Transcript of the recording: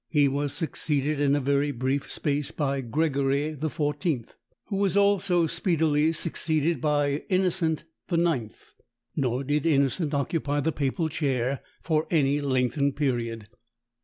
He was succeeded in a very brief space by Gregory XIV., who also was speedily succeeded by Innocent IX. Nor did Innocent occupy the papal chair for any lengthened period.